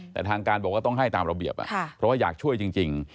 แต่ทางการบอกว่าต้องให้ตามระเบียบเพราะว่าอยากช่วยจริง